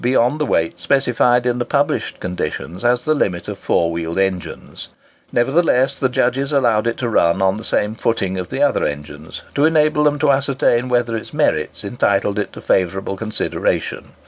beyond the weight specified in the published conditions as the limit of four wheeled engines; nevertheless the judges allowed it to run on the same footing as the other engines, to enable them to ascertain whether its merits entitled it to favourable consideration.